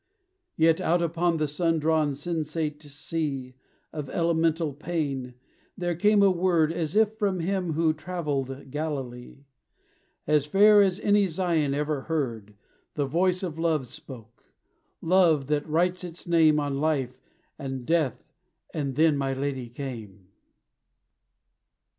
Yet out upon the sun drawn sensate sea Of elemental pain, there came a word As if from Him who travelled Galilee, As fair as any Zion ever heard. The voice of Love spoke; Love, that writes its name On Life and Death and then my lady came.